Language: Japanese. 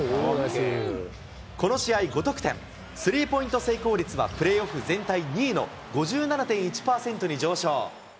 この試合５得点、スリーポイント成功率はプレーオフ全体２位の５７．１％に上昇。